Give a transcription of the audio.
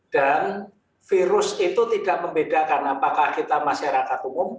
dan virus itu tidak membedakan apakah kita masyarakat umum